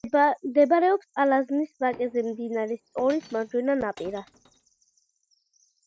მდებარეობს ალაზნის ვაკეზე, მდინარე სტორის მარჯვენა ნაპირას.